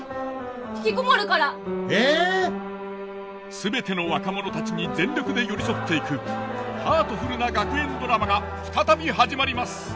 全ての若者たちに全力で寄り添っていくハートフルな学園ドラマが再び始まります。